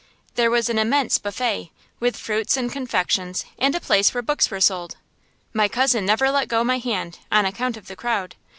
There was an immense buffet, with fruits and confections, and a place where books were sold. My cousin never let go my hand, on account of the crowd.